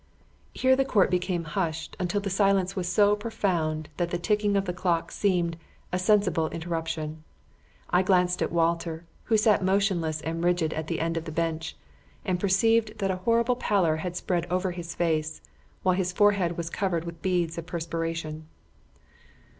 (Here the court became hushed until the silence was so profound that the ticking of the clock seemed a sensible interruption. I glanced at Walter, who sat motionless and rigid at the end of the bench, and perceived that a horrible pallor had spread over his face, while his forehead was covered with beads of perspiration.)